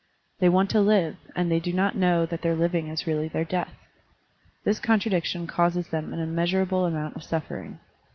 They want to live, and they do not know that their living is really their death. This contradiction causes them an im measurable amount of suffering.